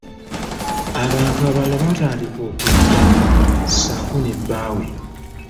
Abantu abalala baatandika okuggya saako ne bbawe.